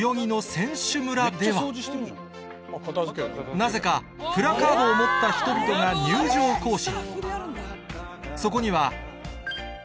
なぜかプラカードを持った人々が入場行進